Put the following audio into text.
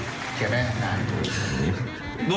เมื่อกี้ว่ายังไง